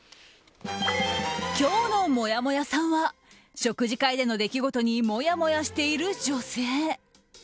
今日のもやもやさんは食事会での出来事にもやもやしている女性。